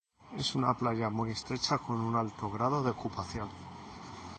Es una playa muy estrecha con un alto grado de ocupación.